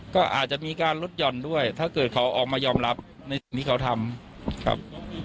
ก็อาจจะมีการลดหย่อนด้วยถ้าเกิดเขาออกมายอมรับในสิ่งที่เขาทำครับ